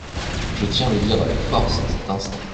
Je tiens à le dire avec force à cet instant.